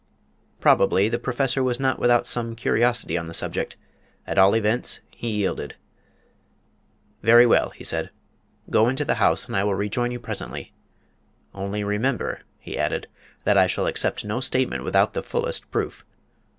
Probably the Professor was not without some curiosity on the subject; at all events he yielded. "Very well," he said, "go into the house and I will rejoin you presently. Only remember," he added, "that I shall accept no statement without the fullest proof.